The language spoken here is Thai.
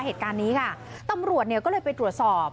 เหตุการณ์นี้ค่ะตำรวจเนี่ยก็เลยไปตรวจสอบ